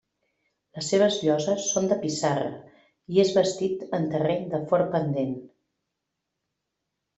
Les seves lloses són de pissarra i és bastit en terreny de fort pendent.